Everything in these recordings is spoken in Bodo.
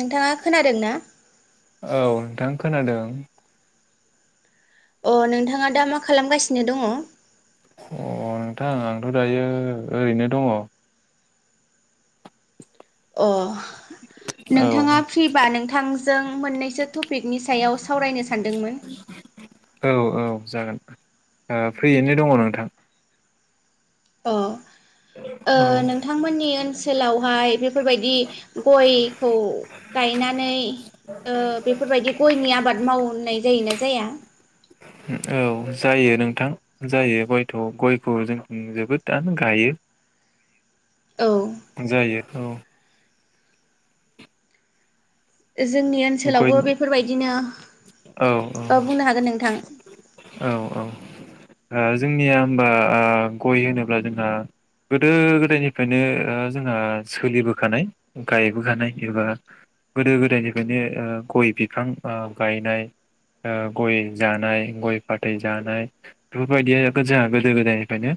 नोंथाङा खोनादों ना औ नोंथां खोनादों अ नोंथाङा दा मा खालामगासिनो दङ अ नोंथां आंथ' दायो ओरैनो दङ अ नोंथाङा फ्रिबा नोंथां जों मोननैसो टपिकनि सायाव सावरायनो सानदोंमोन औ औ जागोन फ्रियैनो दङ नोंथां अ नोंथांमोननि ओनसोलावहाय बेफोरबायदि गयखौ गायनानै बेफोरबायदि गयनि आबाद मावनाय जायो ना जाया औ जायो नोंथां जायो गयथ' गयखौ जों जोबोदनो गायो औ जायो औ जोंनि ओनसोलावबो गयनि बेफोरबायदिनो औ औ ओ बुंनो हागोन नोंथां औ औ ओ जोंनिया होमबा ओ गइ होनोब्ला जोंहा गोदो गोदायनिफ्रायनो जोंहा ओ सोलिबोखानाय गायबोखानाय एबा गोदो गोदायनि फ्रायनो ओ गइ बिफां ओ गायनाय ओ गइ जानाय गइ फाथै जानाय बेफोरबायदि जोंहा गोदो गोदायनिफ्रायनो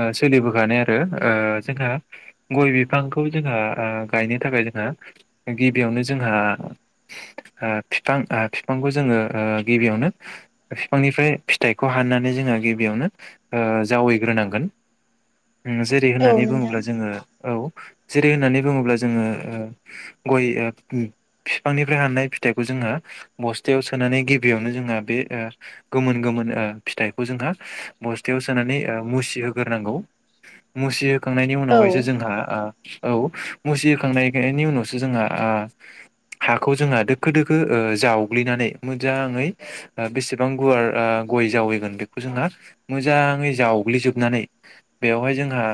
ओ सोलिबोखानाय आरो ओ जोंहा गइ बिफांखौ जोंहा गायनो थाखाय जोंहा गिबियावनो जोंहा ओ फिफां ओ फिफांखौ जोङो ओ गिबियावनो बिफांनिफ्राय फिथाइखौ हाननानै जोङो गिबियावनो ओ जावैग्रोनांगोन। जेरै औ होननानै नोंथां बुङोब्ला जोङो औ जेरै होननानै बुङोब्ला जोङो गइ फिफांनिफ्राय हाननाय फिथाइखौ जोङो बस्थायाव सोनानै गिबियावनो जोंहा बे गोमोन गोमोन ओ फिथाइखौ जोंहा बस्थायाव ओ सोनानै मुसिहोग्रोनांगौ मुसि खांनायनि औ उनावहायसो जोंहा औ मुसिखांनायनिनायनि उनावसो जोंहा हाखौ जोंहा दोखो दोखो ओ जावग्लिनानै मोजाङै ओ बेसेबां गुवार गइ ओ जावैगोन बेखौ जोंहा मोजाङै जावग्लिजोबनानै बेवहाय ओ जोंहा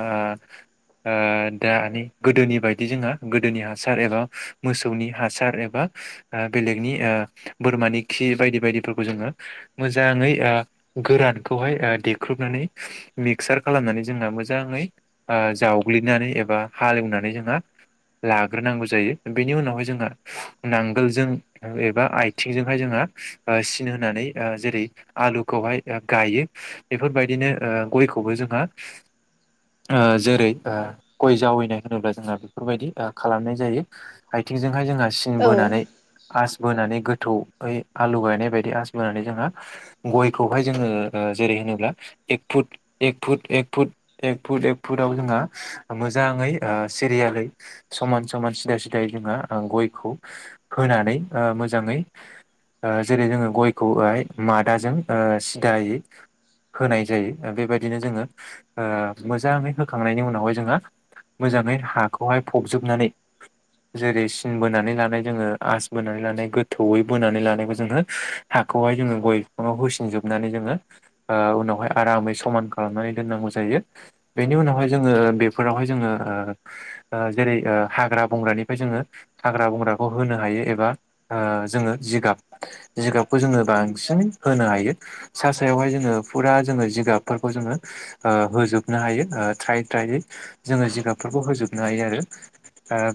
दानि गोदोनि बायदि जोंहा गोदोनि हासार एबा मोसौनि हा हासार एबा ओ बेलेगनि ओ बोरमानि खि बायदि बायदिफोरखौ जोङो मोजाङै ओ गोरानखौहाय ओ देख्रुबनानै मिक्सार खालामनानै जोंहा मोजाङै ओ जावग्लिनानै एबा हालेवनानै जोंहा लाग्रोनांगौ जायो बेनि उनावहाय जोंहा नांगोलजों एबा आथिंजोंहाय जोंहा सिन होनानै जेरै आलुखौहाय गायो बेफोरबायदिनो गइखौबो जोंहा जेरै गय जावैनाय होनोब्ला जोंहा बेफोरबायदि खालामनाय जायो आथिंजोंहाय जोंहा सिन औ बोनानै आस बोनानै गोथौयै आलु गायनाय बायदि आस बोनानै जोंहा गइ खौहाय जोङो जेरै होनोब्ला एक-फुट-एक-फुट-एक- फुट-एक फुटाव जोंहा मोजाङै ओ सिरियालै समान समान सिदा सिदा जोंहा गइ खौ होनानै ओ मोजाङै ओ जेरै जोङो गइ खौहाय मादाजों सिदायै होनाय जायो बेबायदिनो जोङो ओ मोजाङै होखांनायनि उनावहाय जोंङो मोजाङै हाखौहाय फबजोबनानै जेरै सिन बोनानै [unintelligible] लानानै जोङो आस बोनानै लानाय गोथौवै बोनानै लानाय जोङो हाखौहाय जो गइ बिफाङाव होसिननो जोब हाबनानै जोङो ओ उनावहाय आरामै समान खालामनानै दोननांगौ जायो बेनि उनावहाय जोङो बेफोरावहाय जोङो ओ जेरै हाग्रा बंग्रानिफ्राय जोङो हाग्रा बंग्राखौ होनो हायो एबा जोङो जिगाब जिगाबखौ जोङो बांसिनै होनो हायो सा सायावहाय जोङो फुरा जोङो जिगाबफोरखौ जोङो ओ होजोबनो हायो ओ थ्रायै थ्रायै जोङो जिगाबफोरखौ होजोबनो हायो आरो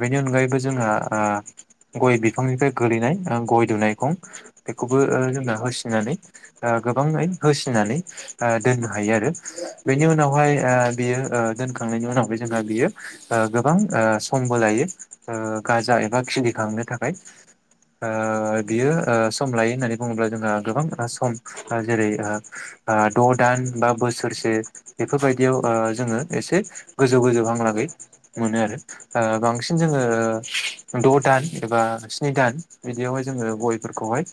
बेनि अनगायैबो जोंहा ओ गइ बिफांनिफ्राय गोलैनाय गइ दुनायखौं बेखौबो ओ जोंना होसिनानै ओ गोबाङै होसिनानै ओ दोननो हायो आरो बेनि उनावहाय ओ बियो दोनखांनायनि उनावहाय जोंहा बियो ओ गोबां ओ समबो लायो ओ गाजा एबा खिलिखांनो थाखाय ओ बियो ओ सम लायो होननानै बुङोब्ला जोंहा गोबां सम ओ जेरै ओ द' दान बा बोसोरसे बेफोरबायदियाव ओ जोङो एसे गोजौ गोजौ हांलागै मोनो आरो ओ बांसिन जोङो द' दान एबा स्नि दान बिदियावहाय जोङो गयफोरखौहाय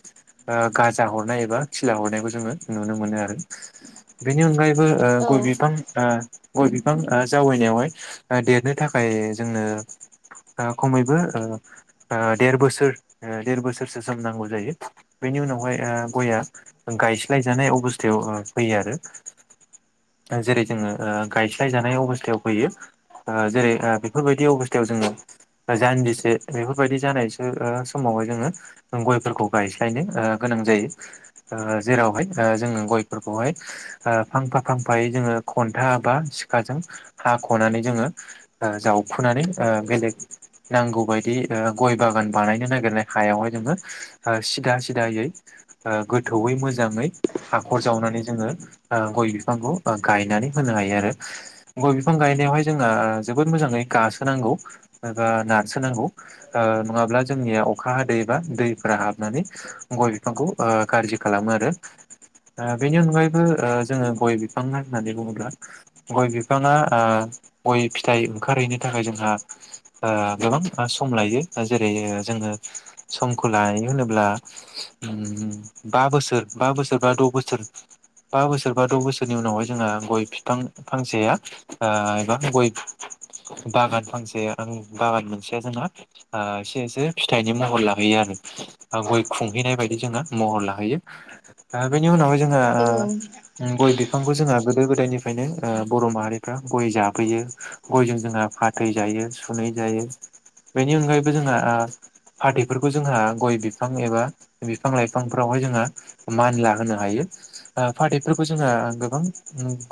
ओ गाजा हरनाय एबा खिला हरनायखौ जोङो नुनो मोनो आरो बेनि अनगायै बो गइ बिफां ओ गइ बिफां ओ जावैनायावहाय ओ देरनो थाखाय जोंनो ओ खमैबो ओ देर बोसोर देर बोसोरसो सम नांगौ जायो बेनि उनावहाय गया गायस्लाय जानाय अबस्थायाव फैयो आरो जेरै जोङो गायस्लाय जानाय अबस्थायाव फैयो ओ जेरै बेफोरबायदि अबस्थायाव जोङो जानजिसे बेफोरबायदि जानायसो समावहाय जोङो ग इफोरखौ ओ गायस्लायनो गोनां जायो ओ जेरावहाय जोङो गयफोरखौहाय फांफा फांफायै जोङो खन्था बा सिखाजों हाख'नानै जोङो जावखुनानै बेलेग नांगौबायदि गइ बागान बानायनो नागिरनाय हायावहाय जोङो सिदा सिदायै गोथौयै मोजाङै हाखर जावनानै जोङो ओ गइ बिफांखौ गायनानै होनो हायो आरो गय बिफां गायनायावहाय जोंहा जोबोद मोजाङै गासोनांगौ। एबा नारसोनांगौ ओ नङाब्ला जोंनिया अखा हादै एबा दैफोरा हाबनानै गइ बिफांखौ गाज्रि खालामो आरो ओ बेनि अनगायैबो जोङो गय बिफाङा होननानै बुङोब्ला गइ बिफाङा गइ फिथाइ ओंखारहैनो थाखाय जोंहा ओ गोबां सम लायो जेरै जोङो समखौ लायो होनोब्ला बा बोसोर बा बोसोर बा द' बोसोर बा बोसोर बा द' बोसोरनि उनावहाय जोंहा ओ गइ बिफां फांसेया एबा ओ गइ बागान फांसेया बागान मोनसेया जोंना ओ एसे एसे फिथाइनि महर लाहैयो आरो गइ खुंहैनाय बायदि जोंना महर लाहैयो बेनि उनावहाय जोङो औ ओ गइ बिफांखौ गोदो गोदानिफ्रायनो ओ बर' माहारिफ्रा गय जाबोयो गयजों जोंहा फाथै जायो। सुनै जायो बेनि अनगायैबो जोंहा ओ फाथैफोरखौ जोंहा गइ बिफां एबा बिफां लाइफांफोरावहाय जोंहा मानला होनो हायो फाथैफोरखौ जोंहा गोबां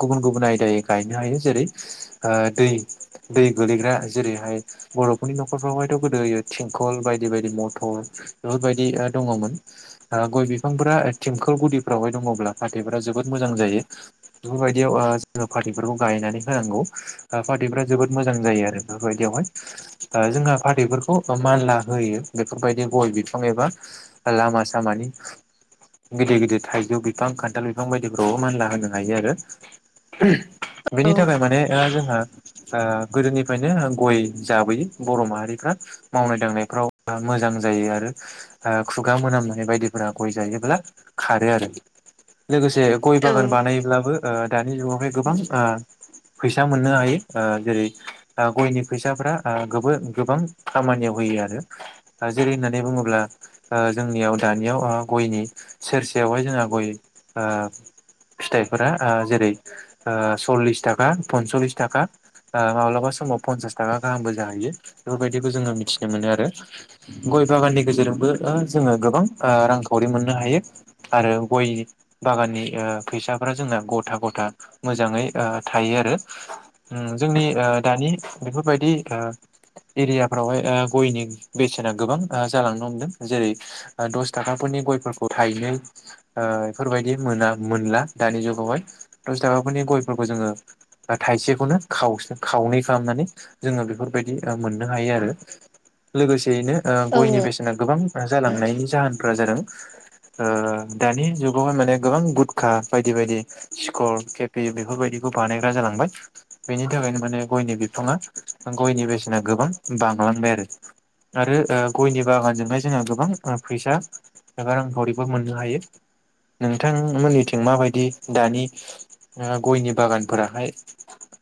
गुबुन- गुबुन आयदायै गायनो हायो जेरै ओ दै -दै गोलैग्रा जेरै ओमफ्राय बर'फोरनि नखरफ्रावहायथ' गोदो थिंखल बायदि- बायदि मथर बेफोरबायदि दङमोन ओ गइ बिफांफोरा थिंखोल गुदिफ्रावहाय दङब्ला फाथैफोरा जोबोद मोजां जायो बेफोरबायदियाव जोङो ओ फाथैफोरखौ गायनानै होनांगौ फाथैफ्रा जोबोद मोजां जायो आरो बेफोरबायदियावहाय ओ जोंहा फाथैफोरखौ मानला होयो बेफोरबायदि गइ बिफां एबा लामा सामानि गिदिर -गिदिर थाइजौ बिफां खान्थाल बिफां बायदिफ्रावबो मानला होनो हायो आरो बेनि थाखाय ओ औ माने जोंहा ओ गोदोनिफ्रायनो ओ गइ जाबोयो बर' माहारिफ्रा मावनाय दांनायफ्राव मोजां जायो आरो खुगा मोनामनाय बायदिफोरा गइ जायोब्ला खारो आरो लोगोसे गइ बागान औ बानायब्लाबो ओ दा बे जुगावहाय गोबां ओ फैसा मोननो हायो ओ जेरै गयनि फैसाफ्रा गोबां खामानियाव होयो आरो जेरै होननानै बुङोब्ला जोंनियाव दानियाव गयनि सेरसेयावहाय जोंहा गय फिथाइफोरा जेरै सल्लिस थाखा पनसलिस थाखा माब्लाबा समाव फन्सास थाखा गाहामबो जाहैयो बेफोरबायदिखौ जोङो मिथिनो मोनो आरो गय बागाननि गेजेरजोंबो जोङो गोबां रांखावरि मोननो हायो आरो गय बागाननि फैसाफोरा जोंना गथा -गथा मोजाङै थायो आरो जोंनि दानि बेफोरबायदि ओ एरियाफ्रावहाय गयनि बेसेना गोबां जालांनो हमदों जेरै दस थाखाफोरनि गयफोरखौ थाइनै बेफोरबायदि मोना मोनला दानि जुगावहाय दस थाखाफोरनि गयफोरखौ जोङो थाइसेखौनो खावसो खावनै खालामनानै जोङो बेफोरबायदि मोननो हायो आरो लोगोसे थारैनो गयनि बेसेना गोबां जालांनायनि जाहोनफोरा जादों ओ दानि जुगावहाय माने गोबां गुदखा बायदि -बायदि सिखर केेपि बेफोरबायदिखौ बानायग्रा जालांबाय बेनि थाखायनो माने गयनि बिफाङा गयनि बेसेना गोबां बांलांबाय आरो आरो गयनि बागानजोंहाय जोंहा गोबां फैसा एबा रांखावरिफोर मोननो हायो नोंथांमोननिथिं माबायदि दानि गयनि बागानफोराहाय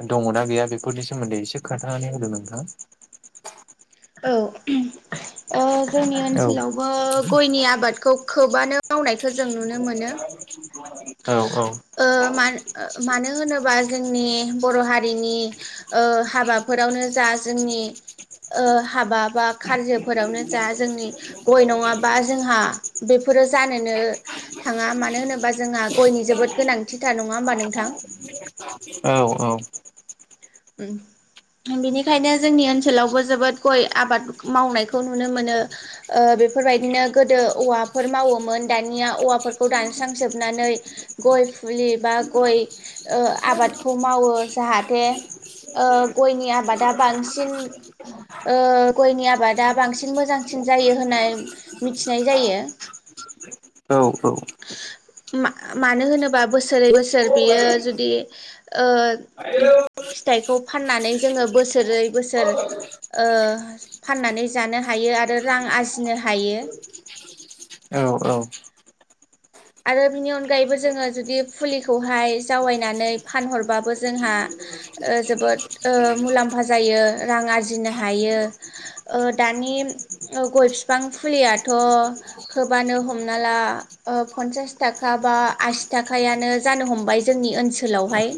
दङना गैया बेफोरनि सोमोन्दै एसे खोन्थानानै होदो नोंथां औ जोंनि औ ओनसोलावबो गयनि आबादखौ खोबानो मावनायखौ जों नुनो मोनो ओ मानो होनोबा जोंनि बर' हारिनि हारिनि ओ हाबाफोरावनो जा जोंनि ओ हाबा बा खारजोफोरावनो जा जोंनि गय नङाबा जोंहा बेफोरो जानोनो थाङा मानो होनोबा जोंहा गयनि जोबोद गोनांथिथार नङा होमबा नोंथां औ- औ बेनिखायनो जोंनि ओनसोलावबो जोबोद गय आबाद मावनायखौ नुनो मोनो बेफोरबायदिनो गोदो औवाफोर मावोमोन दानिया औवाफोरखौ दानस्रांजोबनानै गय फुलि बा गय ओ आबादखौ मावो जाहाथे ओ गयनि आबाद आ बांसिन ओ गयनि आबादा बांसिन मोजांसिन जायो होननाय मिथिनाय जायो औ- औ मानो होनोबा बोसोरै बोसोर सोर बियो जुदि ओ फिथाइखौ फाननानै जोङो बोसोरै बोसोर ओ फाननानै जानो हायो आरो रां आरजिनो हायो आरो बिनि अनगायैबो जोङो जुदि फुलिखौहाय जावायनानै फानहरबाबो जोंहा जोबोद ओ मुलाम्फा जायो रां आरजिनो हायो ओ दानि गय बिफां फुलियाथ' खोबानो हमना ला फनसास थाखा बा आसि थाखानो जानो हमबाय जोंनि ओनसोलावहाय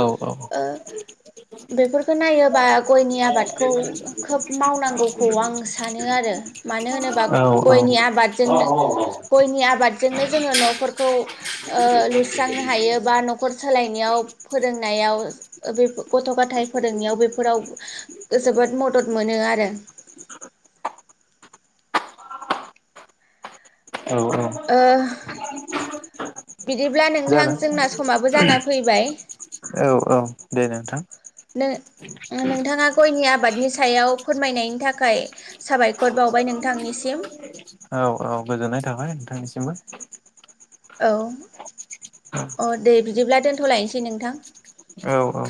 औ औ ओ बेफोरखौ नायोबा गयनि औ आबादखौ खोब मावनांगौखौ आं सानो आरो मानो होनोबा गयनि आबादजोंनो गयनि आबादजोंनो जोङो न'फोरखौ ओ लुस्रांनो हायो बा न'खर सोलायनायाव फोरों नायाव गथ' गथाय फोरोंनायाव बेफोराव जोबोद मदद मोनो आरो ओ बिदिब्ला नोंथां जागोन जोंना समाबो जाना फैबाय औ औ दे नोंथां नो नोंथाङा गयनि आबादनि सायाव फोरमायनायनि थाखाय साबायखर बावबाय नोंथांनिसिम औ औ गोजोननाय थाबाय नोंथांनिसिमबो औ अ दे बिदिब्ला दोनथ'लायसै नोंथां औ औ